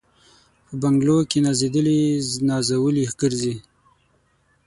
په بنګلو کي نازېدلي نازولي ګرځي